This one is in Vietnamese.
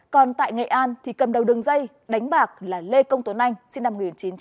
còn tại nghệ an thì cầm đầu đường dây đánh bạc là lê công tuấn anh sinh năm một nghìn chín trăm tám mươi